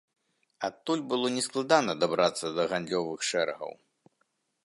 Адтуль было нескладана дабрацца да гандлёвых шэрагаў.